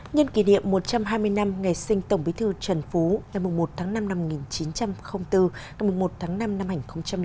nhân kỷ niệm một trăm hai mươi năm ngày sinh tổng bí thư trần phú một mươi một tháng năm năm một nghìn chín trăm linh bốn một mươi một tháng năm năm hai nghìn bốn